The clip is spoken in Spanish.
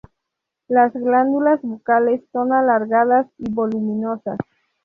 Las glándulas bucales son alargadas y voluminosas.